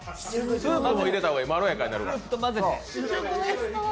スープも入れた方がいい、まろやかになるから。